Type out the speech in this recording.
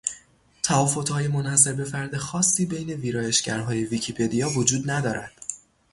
تفاوتهای منحصربهفرد خاصی بین ویرایشگرهای ویکیپدیا وجود ندارد